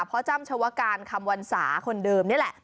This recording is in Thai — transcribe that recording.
จ้ำชาวการคำวรรษาคนเดิมนี่แหละ